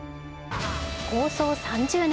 構想３０年。